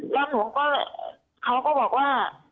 แล้วเขาก็บอกว่า